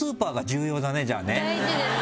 大事です